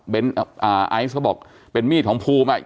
ไอซ์เขาบอกเป็นมีดของภูมิอ่ะ